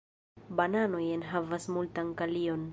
Bananoj enhavas multan kalion.